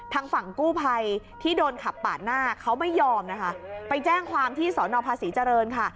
ทางฝั่งกู้ภัยที่โดนขับปาดหน้าเขาไม่ยอมนะคะไปแจ้งความที่สอนอภาษีเจริญค่ะ